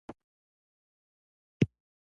ښه بیټسمېن توپ سم ویني.